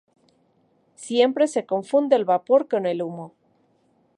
Siempre se confunde el vapor con el humo.